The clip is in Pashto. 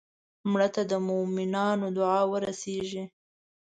مړه ته د مومنانو دعا ورسېږي